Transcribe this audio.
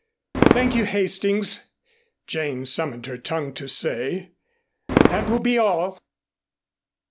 "Thank you, Hastings," Jane summoned her tongue to say. "That will be all."